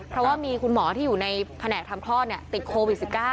เพราะว่ามีคุณหมอที่อยู่ในแผนกทำคลอดติดโควิด๑๙